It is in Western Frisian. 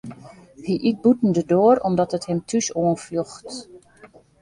Hy yt bûten de doar omdat it him thús oanfljocht.